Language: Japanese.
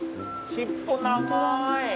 尻尾長い！